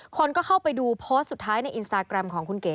คนก็เข้าไปดูโพสต์สุดท้ายในอินสตาแกรมของคุณเก๋